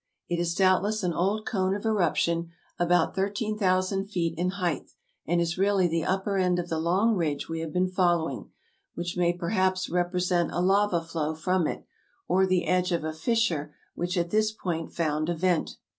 It is doubtless an old cone of eruption, about 13,000 feet in height, and is really the upper end of the long ridge we had been following, which may perhaps rep resent a lava flow from it, or the edge of a fissure which at this point found a vent.